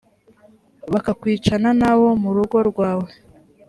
bakakwicana n abo mu rugo rwawe